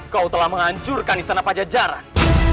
kau telah menghancurkan istana pajajaran